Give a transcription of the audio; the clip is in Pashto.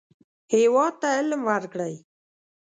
هېواد ته علم ورکړئ